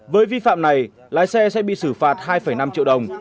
với vi phạm này lái xe sẽ bị xử phạt hai năm triệu đồng